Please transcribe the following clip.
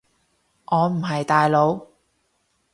我唔係大佬